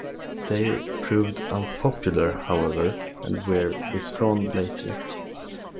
They proved unpopular, however, and were withdrawn later.